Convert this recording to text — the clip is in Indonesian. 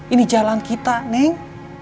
ini jalan kita neng